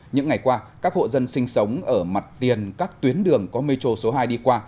những ngày qua các hộ dân sinh sống ở mặt tiền các tuyến đường có metro số hai đi qua